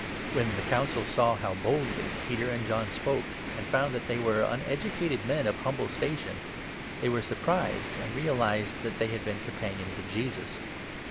When the Council saw how boldly Peter and John spoke, and 13 found that they were uneducated men of humble station, they were surprised, and realized that they had been companions of Jesus.